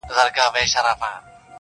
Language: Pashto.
لا هنوز لرم يو لاس او يوه سترگه٫